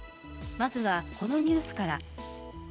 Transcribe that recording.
まずはこのニュースから。